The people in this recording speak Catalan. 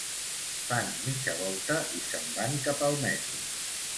Fan mitja volta i se'n van cap al metro.